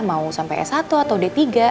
mau sampai s satu atau d tiga